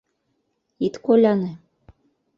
Ит коляне.